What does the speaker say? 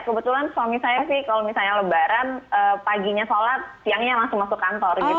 kebetulan suami saya sih kalau misalnya lebaran paginya sholat siangnya langsung masuk kantor gitu